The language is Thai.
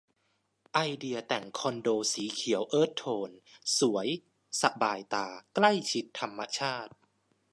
ไอเดียแต่งคอนโดสีเขียวเอิร์ธโทน สวย สบายตา ใกล้ชิดธรรมชาติ